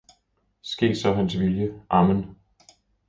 ske så hans vilje, amen!